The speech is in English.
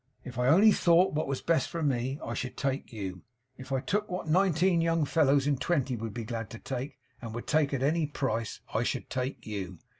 If I only thought what was best for me, I should take you. If I took what nineteen young fellows in twenty would be glad to take, and would take at any price, I should take you.